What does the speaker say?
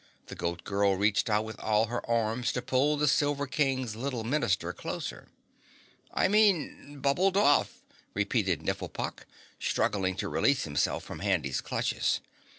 The Goat Girl reached out with all her arms to pull the Silver King's little Minister closer. "I mean, bubbled off," repeated Nifflepok, struggling to release himself from Handy's clutches.